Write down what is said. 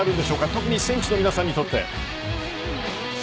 特に選手の皆さんにとって。